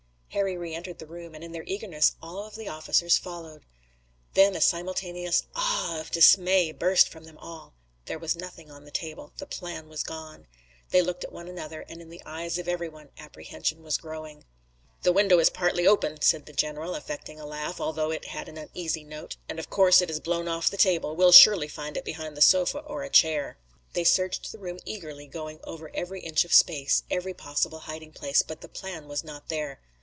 Harry reentered the room, and in their eagerness all of the officers followed. Then a simultaneous "Ah!" of dismay burst from them all. There was nothing on the table. The plan was gone. They looked at one another, and in the eyes of every one apprehension was growing. "The window is partly open," said the general, affecting a laugh, although it had an uneasy note, "and of course it has blown off the table. We'll surely find it behind the sofa or a chair." They searched the room eagerly, going over every inch of space, every possible hiding place, but the plan was not there.